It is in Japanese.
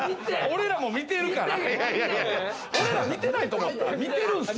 俺らも見てるから。